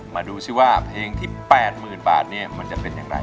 มาดูซิว่าเพลงที่๘๐๐๐บาทเนี่ยมันจะเป็นอย่างไร